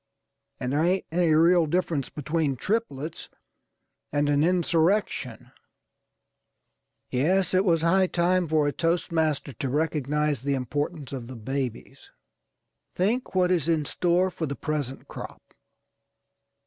And there ain't any real difference between triplets and an insurrection. Yes, it was high time for a toast master to recognize the importance of the babies. Think what is in store for the present crop!